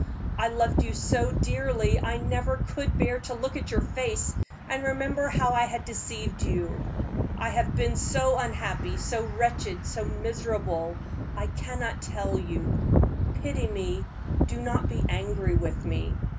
I loved you so dearly I never could bear to look at your face and remember how I had deceived you. I have been so unhappy, so wretched, so miserable, I cannot tell you. Pity me do not be angry with me.